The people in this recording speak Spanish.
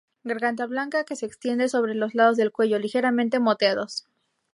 Garganta blanca que se extiende sobre los lados del cuello, ligeramente moteados.